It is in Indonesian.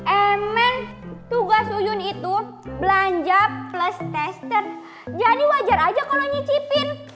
emen tugas ujun itu belanja plus tester jadi wajar aja kalau nyicipin